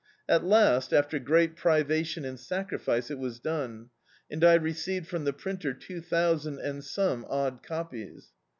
At last, after great privation and sao riiice, it was done, and I received from the printer two thousand and some odd copies.